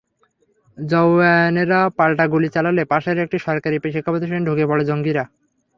জওয়ানেরা পাল্টা গুলি চালালে পাশের একটি সরকারি শিক্ষাপ্রতিষ্ঠানে ঢুকে পড়ে জঙ্গিরা।